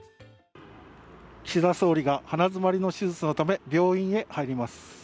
岸田総理が鼻詰まりの手術のため、病院へ入ります。